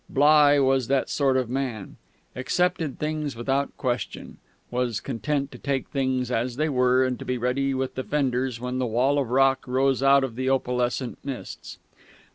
Bligh was that sort of man; accepted things without question; was content to take things as they were and be ready with the fenders when the wall of rock rose out of the opalescent mists.